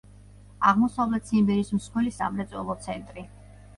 აღმოსავლეთ ციმბირის მსხვილი სამრეწველო ცენტრი.